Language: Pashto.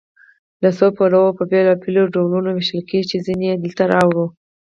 له څو پلوه په بېلابېلو ډولونو ویشل کیږي چې ځینې یې دلته راوړو.